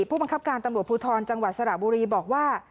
ผู้บังคับการตำรวจภูทรจังหวัดสระบุรีบอกว่า